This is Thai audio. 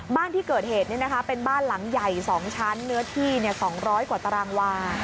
บ้านที่เกิดเหตุเป็นบ้านหลังใหญ่๒ชั้นเนื้อที่๒๐๐กว่าตารางวา